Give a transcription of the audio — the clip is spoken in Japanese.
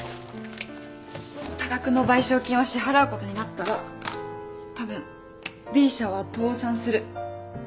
多額の賠償金を支払うことになったらたぶんＢ社は倒産する。